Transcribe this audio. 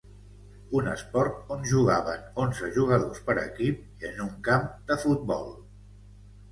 Un esport on jugaven onze jugadors per equip i en un camp de futbol.